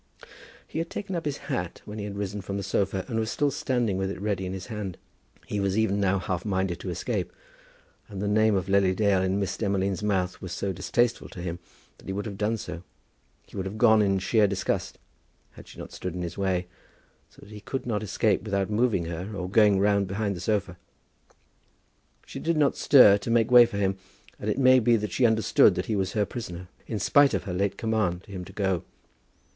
He had taken up his hat when he had risen from the sofa, and was still standing with it ready in his hand. He was even now half minded to escape; and the name of Lily Dale in Miss Demolines' mouth was so distasteful to him that he would have done so, he would have gone in sheer disgust, had she not stood in his way, so that he could not escape without moving her, or going round behind the sofa. She did not stir to make way for him, and it may be that she understood that he was her prisoner, in spite of her late command to him to go.